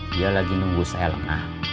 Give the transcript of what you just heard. dia lagi nunggu sel engah